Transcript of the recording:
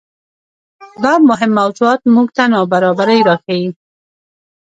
دا مهم موضوعات موږ ته نابرابرۍ راښيي.